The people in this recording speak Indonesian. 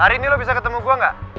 hari ini lo bisa ketemu gue gak